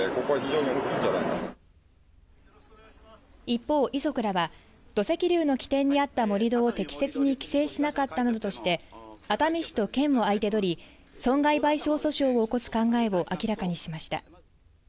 一方、遺族らは土石流の起点にあった盛り土を適切に規制しなかったなどとして、熱海市と県を相手取り、損害賠償訴訟を起こす考えを明らかにしました。